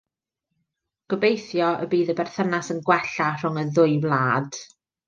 Gobeithio y bydd y berthynas yn gwella rhwng y ddwy wlad.